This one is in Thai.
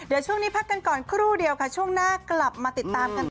เดี๋ยวช่วงนี้พักกันก่อนครู่เดียวค่ะช่วงหน้ากลับมาติดตามกันต่อ